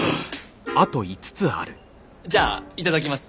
じゃあいただきます。